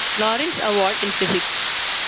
Lawrence Award in physics.